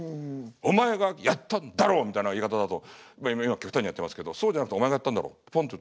「お前がやったんだろう！」みたいな言い方だと今極端にやってますけどそうじゃなくて「お前がやったんだろう」てポンと。